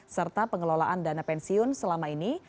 serta pengelolaan dana pensiun selama ini